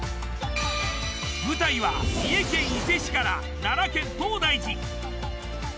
舞台は三重県伊勢市から奈良県東大寺。